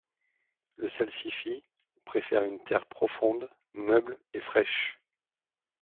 Le salsifis préfère une terre profonde meuble et fraîche.